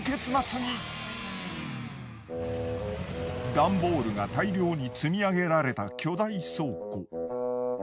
ダンボールが大量に積み上げられた巨大倉庫。